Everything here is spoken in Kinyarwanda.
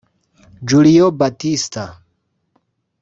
Julio Baptista